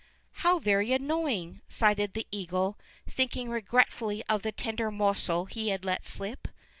"How very annoying!" sighed the eagle, thinking regretfully of the tender morsel he had let slip.